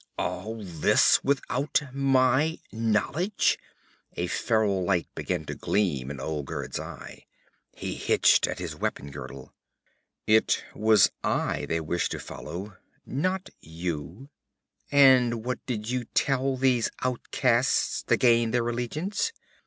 'All this without my knowledge?' A feral light began to gleam in Olgerd's eye. He hitched at his weapon girdle. 'It was I they wished to follow, not you.' 'And what did you tell these outcasts to gain their allegiance?'